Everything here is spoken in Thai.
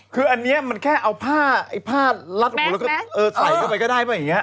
คืออันนี้มันแค่เอาผ้าไอ้ผ้าลัดหัวแล้วก็ใส่เข้าไปก็ได้ป่ะอย่างนี้